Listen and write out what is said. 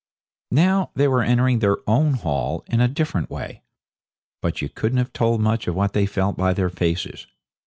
Now they were entering their own hall in a different way. But you couldn't have told much of what they felt by their faces.